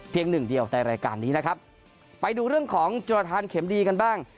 หนึ่งเดียวในรายการนี้นะครับไปดูเรื่องของจุรทานเข็มดีกันบ้าง